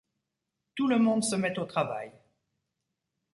Tout le monde se met au travail.